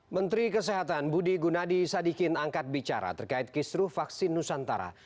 menteri kesehatan budi gunadi sadikin angkat bicara terkait kisru vaksin nusantara